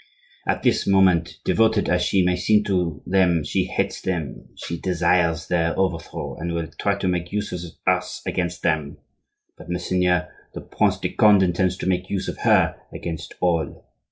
At this moment, devoted as she may seem to them, she hates them; she desires their overthrow, and will try to make use of us against them; but Monseigneur the Prince de Conde intends to make use of her against all.